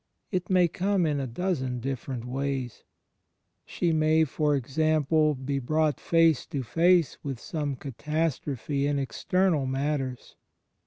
It may come in a dozen diifferent ways. She may, for example, be brought face to face with some catastrophe in external matters.